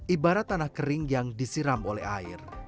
ibarat tanah kering yang disiram oleh air